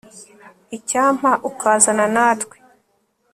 icyampa ukazana natwe